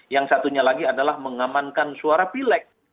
yang satunya lagi adalah mengamankan suara pilek